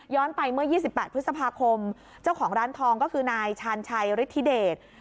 ไปเมื่อ๒๘พฤษภาคมเจ้าของร้านทองก็คือนายชาญชัยฤทธิเดช